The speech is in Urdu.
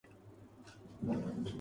شاہد کپور بھی کینسر کے شکار حقیقت کیا ہے